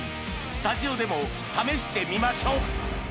スタジオでも試してみましょ！